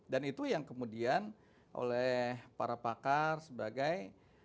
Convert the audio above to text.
itu yang kemudian oleh para pakar sebagai